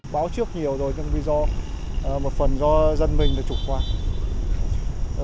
báo trước nhiều rồi nhưng vì do một phần do dân mình đã chủng qua